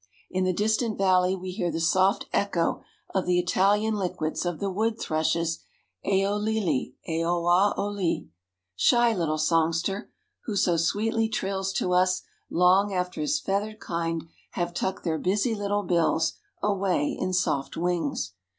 In the distant valley we hear the soft echo of the Italian liquids of the wood thrush's "A o le le, a oa o le." Shy little songster, who so sweetly trills to us long after his feathered kind have tucked their busy little bills away in soft wings.